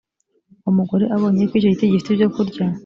uwo mugore abonye yuko icyo giti gifite ibyokurya